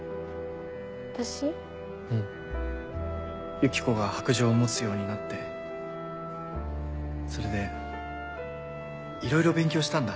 ユキコが白杖を持つようになってそれでいろいろ勉強したんだ